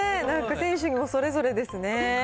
選手にもそれぞれですね。